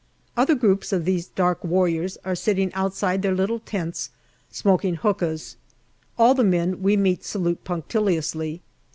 Other groups of these dark warriors are sitting outside their little tents smoking hookahs ; all the men we meet salute punctiliously.